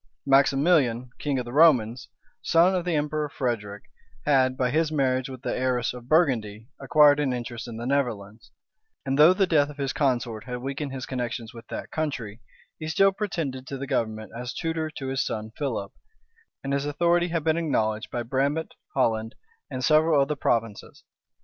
Maximilian, king of the Romans, son of the emperor Frederick, had, by his marriage with the heiress of Burgundy, acquired an interest in the Netherlands; and though the death of his consort had weakened his connections with that country, he still pretended to the government as tutor to his son Philip, and his authority had been acknowledged by Brabant, Holland, and several of the provinces.